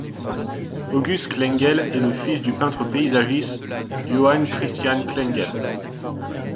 August Klengel est le fils du peintre paysagiste Johann Christian Klengel.